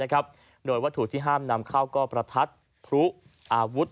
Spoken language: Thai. โดยวัตถุที่ห้ามนำเข้าก็ประทัดพลุอาวุธ